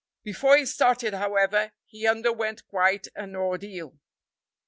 Before he started, however, he underwent quite an ordeal.